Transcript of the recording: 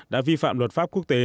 đã vi phạm luật pháp quốc tế